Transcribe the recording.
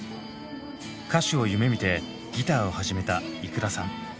歌手を夢みてギターを始めたｉｋｕｒａさん。